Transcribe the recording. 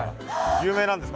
有名なんですか？